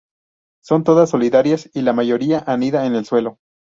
Son todas solitarias y la mayoría anida en el suelo.